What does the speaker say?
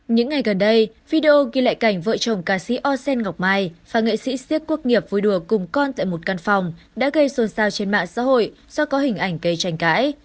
những ngày gần đây video ghi lại cảnh vợ chồng ca sĩ osen ngọc mai và nghệ sĩ siếc quốc nghiệp vui đùa cùng con tại một căn phòng đã gây xôn xao trên mạng xã hội do có hình ảnh cây tranh cãi